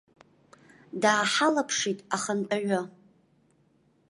Дааҳалаԥшит ахантәаҩы.